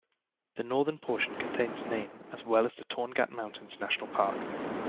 The northern portion contains Nain as well as the Torngat Mountains National Park.